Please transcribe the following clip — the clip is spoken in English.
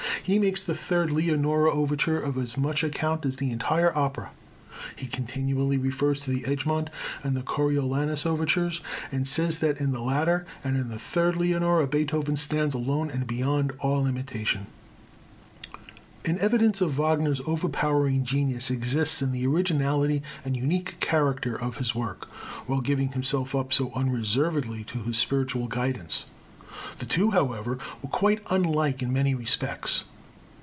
He makes the Third Leonore Overture of as much account as the entire opera; he continually refers to the Egmont and the Coriolanus Overtures, and says that in the latter and in the Third Leonore, Beethoven stands alone and beyond all imitation. [H] Mr. Ellis's translation. An evidence of Wagner's overpowering genius exists in the originality and unique character of his work, while giving himself up so unreservedly to this spiritual guidance. The two, however, were quite unlike in many respects.